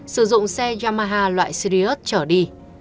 sử dụng xe yamaha loại sirius trở đi